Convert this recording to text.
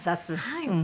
はい。